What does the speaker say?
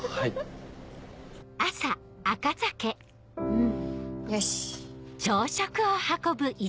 うんよし。